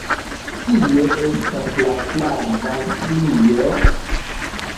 Kie estas la flava strio?